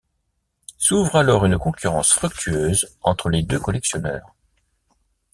S’ouvre alors une concurrence fructueuse entre les deux collectionneurs.